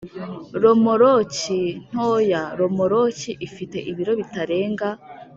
Romoroki ntoyaRomoroki ifite ibiro bitarenga